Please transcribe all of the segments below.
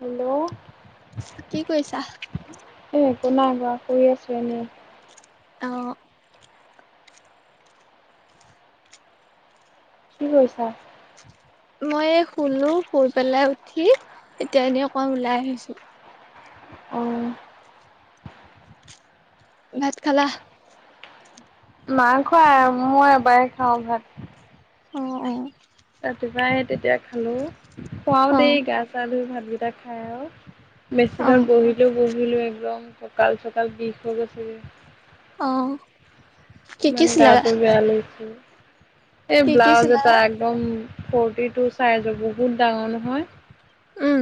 Hello! কি কইছা? এ একো নাই কৰা, শুই আছো এনেই। অ কি কৰিছা। মই এই শুলো শুই পেলাই উঠি, এতিয়া এনেই অকণমান ওলাই আহিছো। অ। ভাত খালা। নাই খোৱা মই এবাৰে খাওঁ ভাত। অ, অ। ৰাতিপুৱাই সেই তেতিয়া খালো খোৱাও দেই অ' গা-চা ধুই ভাতকেইটা খাই আৰু।। অ' মেচিনত অ' বহিলো, বহিলো একদম কঁকাল-চকাল বিষ হৈ গৈছেগে। অ। কি কি ইমান চিলালা? গাটো বেয়া লাগিছে। এ কি কি ব্লাউজ এটা চিলালা? একদম, ফৰ্টি টু চাইজৰ বহুত ডাঙৰ নহয়। উম,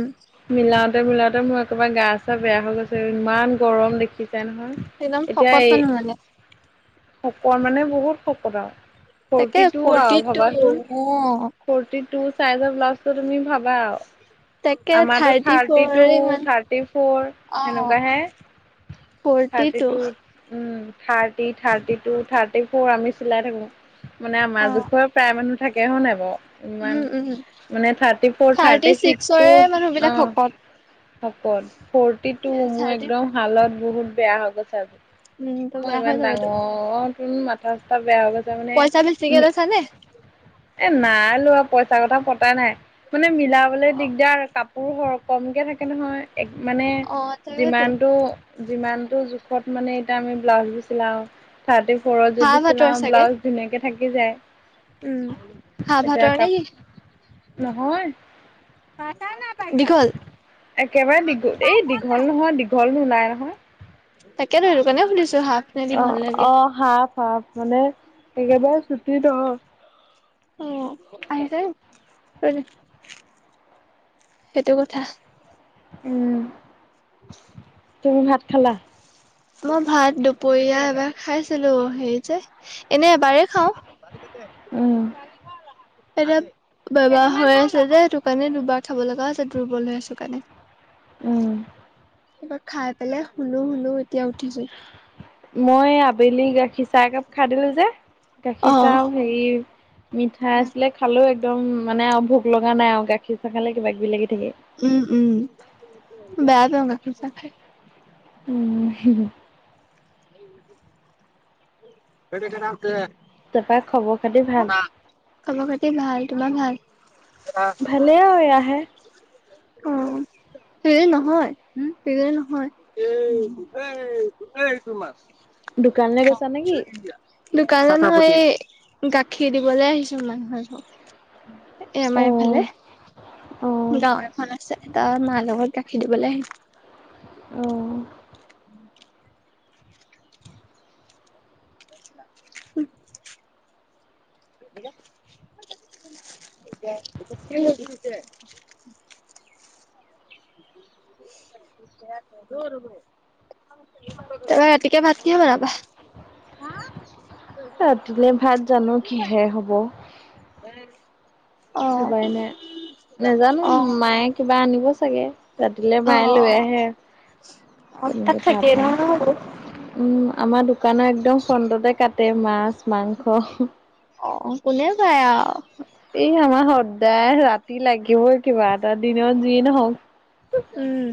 মিলাওতে মিলাওঁতে মোৰ একেবাৰে গা-চা বেয়া হৈ গৈছে ইমান গৰম দেখি। ছাই নহয় একদম এতিয়া শকত এই। মানুহ মানে। শকত মানে বহুত শকত আৰু তাকে ফৰ্টি টু আৰু টু ভাবাচোন। অ' ফৰ্টি টু চাইজৰ ব্লাউজটো তুমি ভাবা আৰু। তাকে আমাৰ টো থাৰ্টি ফ'ৰ টু, ইমান থাৰ্টি ফৰ অ' সেনেকুৱাহে। Forty two. Um thirty, thirty two, thirty four আমি চিলাই থাকো মানে আমাৰ অ' জোখৰ। প্ৰায় মানুহৰ থাকে, হয় নাই বাও। উম, ইমান উম মানে থাৰ্টি ফৰ, থাৰ্টি চিক্স ছিক্সৰে টো মানুহ অ। বিলাক শকত। শকত ফৰ্টি টু মোৰ থাৰ্টি একদম হালত বহুত বেয়া হৈ গৈছে। উম, তো বেয়া হৈ যাব টো। অ তোন মাথা চাথা বেয়া হৈ গৈছে মানে পইচা বেছিকে ওম। লৈছা নে? এ নাই লোৱা পইচা কথা পতা নাই মানে মিলাবলে অ' দিগদাৰ কাপ। পোৰ সৰ কমকৈ থাকে নহয় এক মানে অ' তাকেতো। যিমানটো। যিমানটো জোখত মানে এতিয়া আমি ব্লাউজবোৰ চিলাও। থাৰ্টি ফ'ৰত হাঁহ যদি ভাতৰ চিলাও চাগে ব্লাউজ ধুনীয়াকে থাকি যায়। উম খা এতিয়া ভাতৰ কাপ নেকি। নহয় পা টা না পায় দীঘল। একেবাৰে দীঘ এই দীঘল নহয় দীঘল নোলাই নাই নহয়। তাকে ধৰ সেইটো কাৰনে সুধিছো শাক। অ অ হাফ হাফ মানে একেবাৰে ছুটি ন। অ আহিছে [inaudible] সেইটো কথা। উম তুমি ভাত খালা। অ ভাত দুপৰীয়া এবাৰ খাইছিলো হেৰি যে। এনে এবাৰে খাওঁ। [inaudible] উম, এতিয়া বেমাৰ হৈ আছে যে, সেইতোৰ কাৰণে দুবাৰ থব লগা আছে দুৰ্বল হৈ আছো কাৰণে। উম। কিবা খাই পেলাই শুলো-শুলো এতিয়া উঠিছো। মই আবেলি গাখীৰ চাহ একাপ খাই দিলো যে। অ গাখীৰ চাহো হেৰি, মিঠাই আছিলে খালোয়ে। দম মানে, আৰু ভোক লগা নাই আৰু গাখীৰ চাহ খালে কিবা কিবি লাগি থাকে। উম, উম বেয়া পাওঁ গাখীৰ চাহ খাই। উম [inaudible] [unintelligible] তাপা খবৰ খাতি ভাল খবৰ খাতি ভাল তোমাৰ ভাল ভালে আৰু এয়া আহে অ সেই নহয় উ সেইজনী নহয় এই এই তোমাৰ দোকানলৈ গৈছা নেকি? দোকানত এই গাখীৰ দিবলৈ আহিছো মানুহ এঘৰত এ আমাৰ অ', এফালে অ', গাঁও এখন আছে এটা মা লগত গাখীৰ দিবলৈ আহিছো অ [unintelligible] [unintelligible] অ নবৌ তাৰপৰা ৰাতিকে ভাত কিহে বনাবা ৰাতিলে ভাত জানো কিহে হব উম ভবাই নাই নাজানো অ মায়ে কিবা আনিব চাগে ৰাতিলে অ মায়ে লৈ আহে অ তাত তেনেকে তা থাকেই পাই নহয় উম আমাৰ দোকানৰ একদম ফ্ৰন্টতে কাটে মাছ মাংস অ কোনে পায় আৰু এই আমাৰ সদায় ৰাতি লাগিবই কিবা এটা দিনত যিয়ে নহওক উম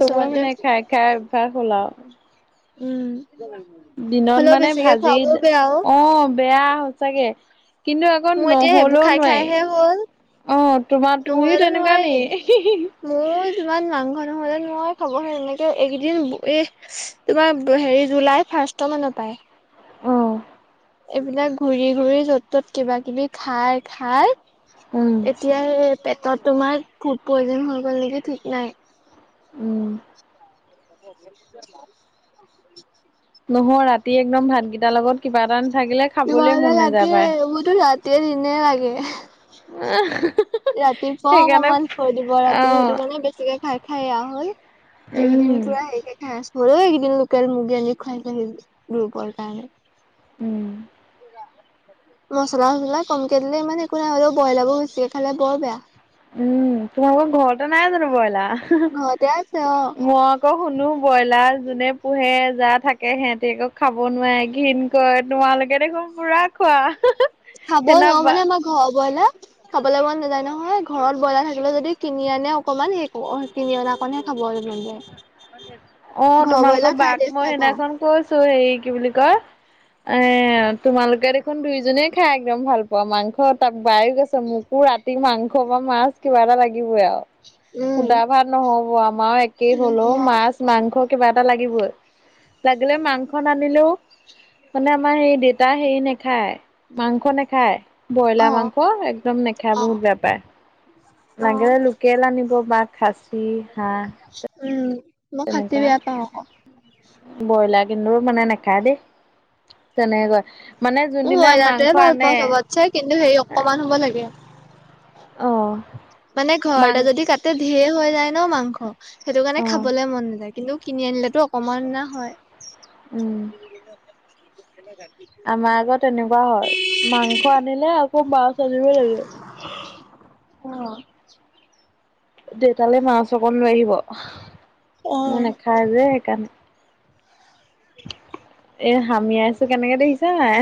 চবৰে মানে খাই খাই অভ্যাস হ'ল আৰু উম দিনত হ'লেও মানে বেছিকে ভাজি খোৱাবও বেয়া অ বেয়া সচাকে কিন্তু আকৌ মোৰ এতিয়া সেইবোৰ নহলেও খাই খাইহে হ'ল নোৱাৰি অ তোমাৰ তুমিও নহ'লেতো তেনেকুৱানি নোৱাৰি হি হি মোৰ যিমান মাংস নহ'লে যে মই খাবয় এনেকে এইকেইদিন এ তোমাৰ হেৰি জুলাই ফাৰ্ষ্ট মানৰ পায় অ এইবিলাক ঘূৰি ঘুৰি য'ত ত'ত কিবা কিবি খাই খাই উম এতিয়া এ পেটত তোমাৰ ফুড পয়জন হৈ গ'ল নেকি ঠিক নাই উম [unintelligible] [unintelligible] নহয় ৰাতি একদম ভাতকেইটাৰ লগত কিবা এটা নাথাকিলে খাবলৈ কিবাৰলে মন নাযায় লাগে পায়। উোৰতো ৰাতি দিনে লাগে উ ৰাতিপুৱা অকমান থৈ দিব ৰাতিৰ সেইটো কাৰণে বেছিকে খাই খাই এয়া হ'ল এইকেইদিন উম পূৰা হেৰিকে খাই আছো হলেও এইকেইদিন লোকেল মুৰ্গী আনি খুৱাইছে সেই ৰুবৰ কাৰণে উম [unintelligible] মচলা চছলা কমকৈ দিলে ইমান একো নাই হলেও বইলাবোৰো বেছিকৈ খালে বৰ বেয়া উম তোমালোকৰ ঘৰতে নাই জানো বইলা অ ঘৰতে আছে অ আকৌ শুনো ব্ৰইলাৰ যোনে পোহে যা থাক- কে হেঁতে ক খাব নোৱাৰে ঘিণ কয় তোমালোকে দেখোন পুৰা- খোৱা খাব সেইদিনা নোৱাৰো বা মানে ময় ঘ বইলা। খাবলে মন নাযায় নহয়, ঘৰত ব্ৰইলাৰ থাকিলে যদি কিনি আনে অকমান সেই- কিনি অনাকণহে খাব আৰু মন যায়। অঁ ঘৰৰ তোমালোকৰ ব্ৰইলাৰ খাই বাক টেষ্ট মই নাপাওঁ সেইদিনাখন কৈছো হেৰি কি বুলি কয়? এঁ তোমালোকে দেখোন দুয়োজনে খাই একদম ভাল পোৱা মাংস তাক বায়ে কৈছে মোকো ৰাত- তি মাংস বা মাছ কিবা এটা লাগিবই আৰু। উম সুদা ভাত নহব, আমাৰো একেই হ'ল ও মাছ- মাংস কিবা এটা লাগিবই, লাগিলে মাংস নানিলেও- মানে আমাৰ সেই দেউতা হেৰি নাখায় মাংস নাখায়। ব্ৰইলা অ মাংস একদম নেখায় অ বহুত বেয়া পায়। অ লাগে লোকেল আনিব বা খাচ- উম' মই খাচী তেনেকুৱা। বেয়া পাওঁ আকৌ ব্ৰইলাৰ কিন্তু মানে নাখায় দেই তেনেকে কয়। মানে মোৰ যোনদিনা ব্ৰইলাৰটোৱে মাংস আনে- খাব লাগে। অঁ' মানে ঘৰতে যদি কাটে ঢেৰ হৈ যায় ন মাংস সেইটো কাৰণে অ' খাবলে মন নাযায়। কিন্তু, - কিনি আনিলেতো অকমান অনা হয়। উম। আমা আকৌ তেনেকুৱা হয়, মাংস আনিলে আকৌ মাছ আনিব লাগে। অঁ' দেউতালে মাছ অকণ লৈ আহিব অ অ নে নেখায় যে সেইকাণে। এ হামিয়াইছো কেনেকে দেখিছা নাই।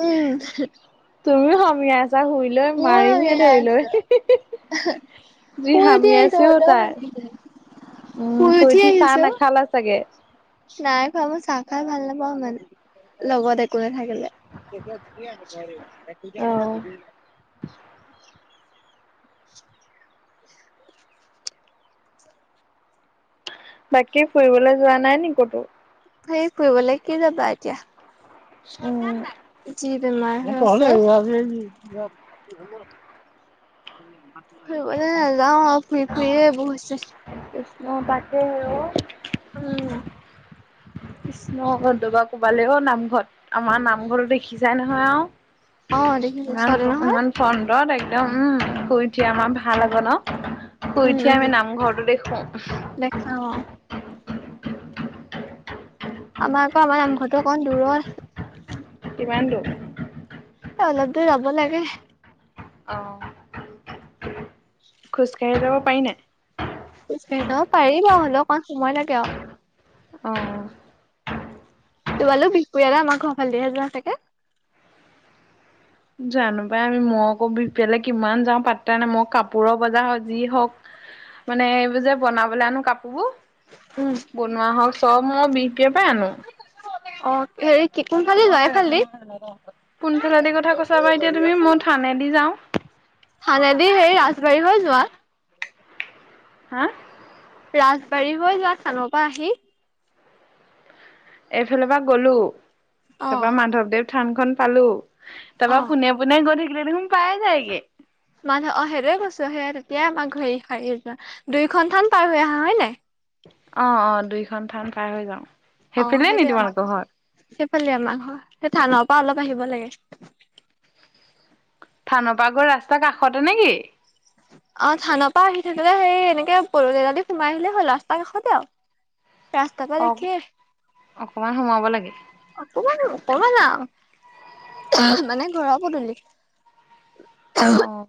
উম' তুমিও হামিয়াই আছা শুই লৈ বৰ মাৰিমহে ধৰি আছে লৈ। শুই উঠি আহিছো যি হামিয়াইছেও হ'লেও ভাল তাই, লাগিলে উম শুই উঠি চাহ নাখালে চাগে। নাই খোৱা, মই চাহ খাই ভাল নাপাওঁ ইমান। লগত একো নেথাকিলে। অ বাকী ফুৰিবলৈ যোৱা নাই নি ক'তো? হেই ফুৰিবলে কি যাবা এতিয়া। বেমাৰ হৈ আছে। ফুৰিবলে নাযাওঁ আৰু ফুৰি ফুৰিয়ে এইবোৰ হৈছে। কৃষ্ণ তাকেহে ও'। উম' কৃষ্ণ' দবা কোবালে অ' নামঘৰত আমাৰ নামঘৰতো দেখিছাই নহয় আও। অ দেখিছো নামঘ ওচৰতে নহয় ইমান- ফন্দত একদম উম শুই উঠি আমাৰ ভাল হ'ব ন। শুই উম উঠিয়ে আমি নামঘৰটো দেখোঁ। অঁ' আমাৰ পৰা আমাৰ নামঘৰটো অকণ দূৰ আছে। কিমান দূৰ? এ অলপ দূৰ যাব লাগে। অঁ খোজকাঢ়ি যাব পাৰি নাই? খোজকাঢ়ি যাব পাৰি বাও হ'লেও অকমান সময় লাগে আৰু। অ। তোমালোক বিহপুৰীয়ালে আমাৰ ঘৰৰ ফালেদি হে যোৱা চাগে। জানো পাই আমি মই আকৌ বিহপুৰীয়া লে কিমান যাওঁ পাত্তা নাই মই কাপোৰৰ বজাৰ হওঁক যি হওঁক। মানে এইবোৰ যে বনাবলে আনো কাপোৰ বোৰ। উম বনোৱা হওক চব মই বিহপুৰীয়াৰ পৰাই আনো। অ হেৰি কি কোনফালে দি যায় এইফালে দি। কোনফালে দি কথা কৈছা বা এতিয়া তুমি মই থানেদি যাওঁ। থানেদি হেৰি ৰাজবাৰী হৈ যোৱা। হা। ৰাজবাৰী হৈ যোৱা থানৰ পৰা আহি। এইফালে পৰা গলোঁ তাৰপা অ মাধৱদেৱ থানখন পালোঁ তাপা পোনে। পোনে গৈ থাকিলে দেখোন পাই যায়গে। মানে অ সেইটোৱে কৈছোঁ সেয়া তেতিয়াই আমাক ঘূৰি [unintelligible] দুইখন থান পাৰ হৈ আহা হয় নাই। অ অ দুইখন থান পাৰ হৈ যাওঁ সেইপিনে নি তোমালোকৰ ঘৰ। সিফালে আমাৰ ঘৰ সেই থানৰ পৰা অলপ আহিব লাগে। থানৰ পৰা গৈ ৰাস্তাৰ কাষতে নেকি। অ থানাৰ পৰা আহি থাকিলে সেই এনেকে পৰৰ জেগাদি সোমাই আহিলেই হ'ল ৰাস্তা কাষতে আৰু। [unintelligible] ৰাস্তাপা অ দেখে। অকমান সোমাব লাগে। অকমান অকমানা আও মানে ঘৰৰ পদূলি। অঁ।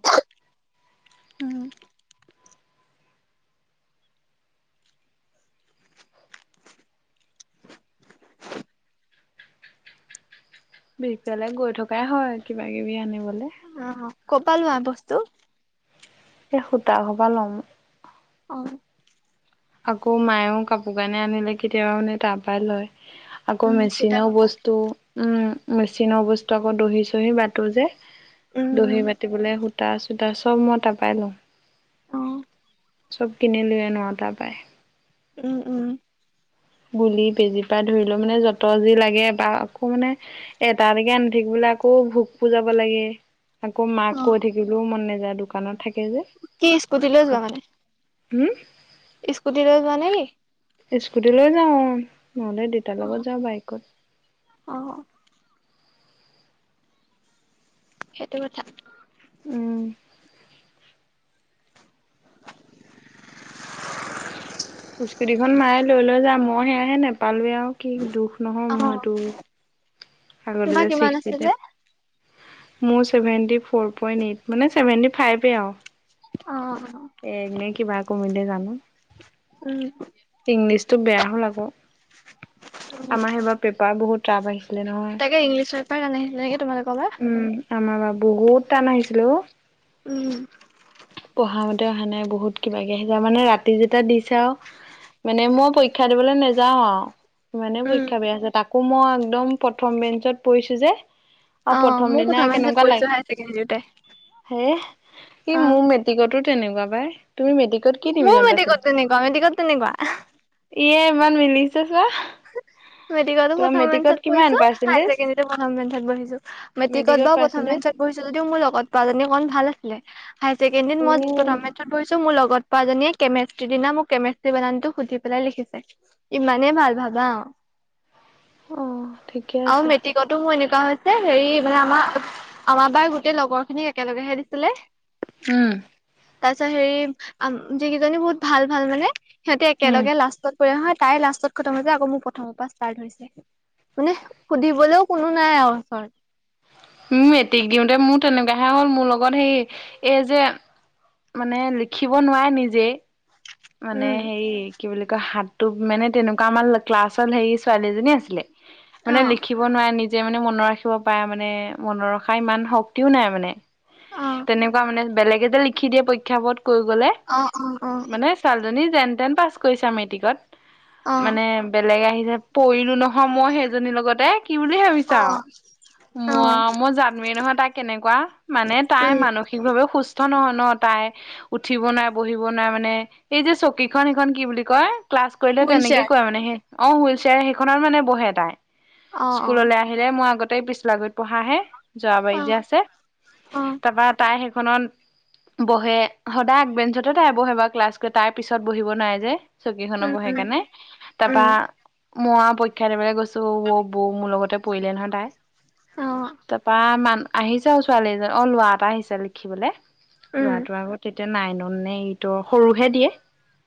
বিষ পালে গৈ থকাই হয় কিবা কিবি আনিবলে। অ অ কৰ পৰা লোৱা বস্তু। এ সূতা ঘপা ল'ম। অ। আকৌ মায়েও কাপোৰ কানি আনিলে কেতিয়াবা মানে তাৰ পৰা লয়। আকৌ উম ফুটা মেচিনৰ কপা বস্তু উম মেচিনৰ বস্তু আকৌ দহি চহি বাতো যে। উম উম দহি বাতিবলে সূতা চূতা চব মই তাপাই লওঁ। অ চব কিনি লৈ আনোঁ আৰু তাৰ পাই। উম উম। গুলি বেজীৰ পৰা ধৰিল মানে য'ত যি লাগে বা আকৌ মানে এটা এটাকে আনি থাকিবলৈ আকৌ ভোক পুৰ যাব লাগে। আকৌ মাক অ কৈ থাকিবলৈও মন নাযায় দোকানত থাকে যে। কি স্কুটি লৈ যোৱা মানে। হুম। স্কুটি লৈ যোৱা নেকি। স্কুটি লৈ যাওঁ উম নহ'লে দেউতা লগত যাওঁ বাইকত। অ। সেইটো কথা। উম। স্কুটিখন মায়ে লৈ লৈ যায় মই সেয়াহে নেপালোঁৱে আৰু। কি দুখ নহয় অ মোৰ এইটো আগতে তোমাৰ যে কিমান আছিলে? সৃষ্টিতে। মোৰ চেভেণ্টি ফৰ পইন্ট এইট মানে চেভেণ্টি ফাইভে আৰু। অ এ এনে কিবা কমিলে জানো উম ইংলিছতো বেয়া হল আকৌ আমাৰ সেইবাৰ পেপাৰ বহুত টান আহিছে তাকে ইংলীছৰ পেপাৰ টান আহিছে তোমালোকৰ বা উম আমাৰ বা বহুত টান আহিছিলে অ উম পঢ়া মতে অহা নাই বহুত কিবা কে মানে ৰাতি যেতিয়া দিছে আৰু মানে মই পৰীক্ষা দিবলৈ নেযাওঁ আৰু ইমানে উম পৰীক্ষা বেয়া হৈছে তাকো মই একদম প্ৰথম বেঞ্চত পৰিছোঁ যে আৰু অ প্ৰথম মোৰ দিনা মেছেজ কেনেকুৱা পৰিছো লাগ হাই ছেকেণ্ডৰীতে। হেহ সি অ মোৰ মেত মেটিকটো তেনেকুৱা পাই তুমি মেটিক মোৰো মেট্ৰিকত তেনেকুৱা মেট্ৰিকত তেনেকুৱা আহ ইয়ে ইমান মিলিছে চোৱা মেট্ৰিকতো তোমাৰ প্ৰথম মেট্ৰিকত বেঞ্চত কিমান পৰিছো হায়াৰ পাৰ্চেন্টেজ? ছেকেণ্ডৰী টো প্ৰথম বেঞ্চত বহিছো মেট্ৰিকত বাও প্ৰথম বেঞ্চত পৰিছো যদিও মোৰ লগত পোৱা জানী কন ভাল আছিলে হায়াৰ ছেকেণ্ডৰীত উ মই প্ৰথমে পিছত বহিছো মোৰ লগ পোৱা জনীয়ে কেমেষ্ট্ৰিৰ দিনা মোক কেমেষ্ট্ৰি বানানটো মোক সুধি পেলাই লিখিছে ইমানে ভাল ভাবা অ অঁ ঠিকে আছে টো মোৰ এনেকুৱা হৈছে হেৰি মানে আমাৰ আমাৰ বাৰ গোটেই লগৰ খিনিক একেলগেহে দিছিলে উম তাৰ পিছত হেৰি আম যিকেইজনী বহুত ভাল ভাল মানে সিহঁতি উম একেলগে লাষ্টত হয় তাই লাষ্টত খটম হৈছে মোৰ প্ৰথমৰ পৰা ষ্টাৰ্ট হৈছে মানে সুধিবলৈও কোনো নাই আৰু ওচৰত মেট্ৰিক দিওঁতে মোৰ তেনেকুৱাহে হ'ল মোৰ লগত হেই এই যে মানে লিখিব নোৱাৰে নিজেই মানে উম হেৰি কি বুলি কয় হাতটো মানে তেনেকুৱা আমাৰ ক্লাছৰ হে ছোৱালীজনী আছিলে অ মানে লিখি নোৱাৰে নিজে মানে মনত ৰাখিব পাৰে মানে মনত ৰখা ইমান শক্তিও নাই মানে অ তেনেকুৱা মানে বেলেগে যে লিখি দিয়ে পৰীক্ষাবোৰ কৈ গলে অ অ অ ছোৱাল জনী যেন তেন পাছ কৰিছে মেট্ৰিকত অ মানে বেলেগ আহিছে পৰিলো নহয় মই সেইজনীৰ লগতে কি বুলি অ ভাবিছা আৰু ম অ মই জানোয়েই নহয় তাই কেনেকুৱা মানে তাই উম মানসিক সিকভাৱে সুস্থ নহয় ন তাই উঠিব নাই বহিব নাই মানে এই যে চকীখনন সেইখন কি বুলি কয় ক্লাছ কৰিলে হুইল তেনেকে চেয়াৰ কৰে মানে সেই অ হুইল চেয়াৰ সেইখনত মানে বহে তাই অ অ স্কুললৈ আহিলে মই আগতেই পিছলাগুৰিত পঢ়াহে জৰাবাৰিত অ যে আছে অ তাৰপা তাই সেইখনত বহে সদায় আগবেঞ্চতে তাই বহে বাৰ ক্লাছকৈ তাৰ পিছত বহিব নোৱাৰে যে চকী খনত উম বহে উম সেইকাৰণে তাৰপা উম মইয়া পৰীক্ষা দবলৈ গৈছো বৌ মোৰ লগতে পৰিলে নহয় তাই অ তাৰপা মান আহিছে আৰু ছোৱালী এজন অ লৰা এটা আহিছে লিখিবলে উম লৰাটো আক তেতিয়া নাইন নে এইটৰ সৰুহে দিয়ে